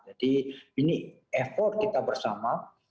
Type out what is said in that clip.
jadi ini effort kita bersama